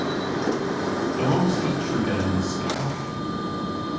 A wrons i triga yn skath?